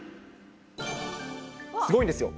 すごいんですよ。